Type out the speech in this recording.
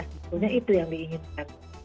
sebetulnya itu yang diinginkan